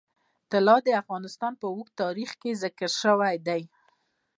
طلا د افغانستان په اوږده تاریخ کې ذکر شوی دی.